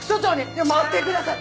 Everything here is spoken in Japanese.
いや待ってください！